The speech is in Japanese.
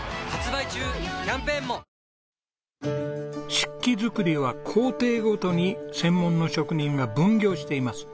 漆器作りは工程ごとに専門の職人が分業しています。